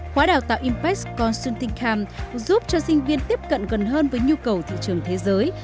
khóa đào tạo impact consulting camp giúp cho sinh viên tiếp cận gần hơn với nhu cầu thị trường thế giới